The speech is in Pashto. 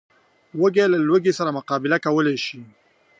وزې له لوږې سره مقابله کولی شي